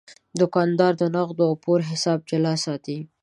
دوکاندار د نغدو او پور حساب جلا ساتي.